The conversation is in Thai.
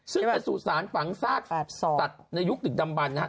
ซึ่งเป็นสู่ศาลฝังซากตัดในยุคถึงดำบันนะครับ